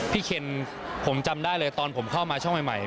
เคนผมจำได้เลยตอนผมเข้ามาช่องใหม่